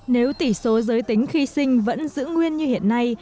nếu tỷ số giới tính khi sinh vẫn giữ nguyên như hiện nay